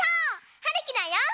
はるきだよ！